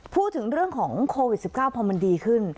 พูดถึงเรื่องของโควิด๑๙พอมันดีขึ้น